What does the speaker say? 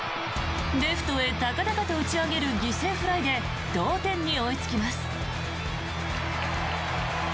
レフトへ高々と打ち上げる犠牲フライで同点に追いつきます。